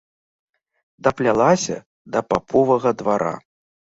Даплялася да паповага двара.